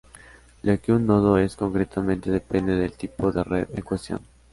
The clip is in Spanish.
Lo que un nodo es concretamente depende del tipo de red en cuestión.